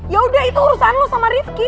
ya udah itu urusan lo sama rifqi